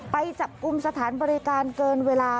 ไปจับกลุ่มสถานบริการเกินเวลา